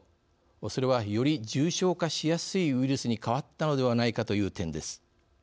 それは、より重症化しやすいウイルスに変わったのではないかという点です。